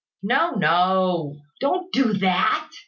"No, no. Don't do that.